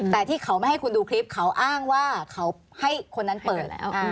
แต่ที่เขาไม่ให้คุณดูคลิปเขาอ้างว่าเขาให้คนนั้นเปิดแล้ว